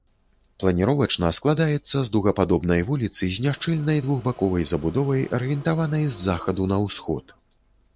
Планіровачна складаецца з дугападобнай вуліцы з няшчыльнай двухбаковай забудовай, арыентаванай з захаду на ўсход.